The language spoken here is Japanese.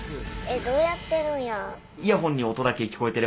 えっどうやってるんや。